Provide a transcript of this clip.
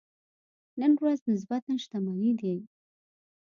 نن ورځ نسبتاً شتمنې دي.